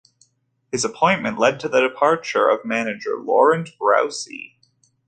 His appointment led to the departure of manager Laurent Roussey.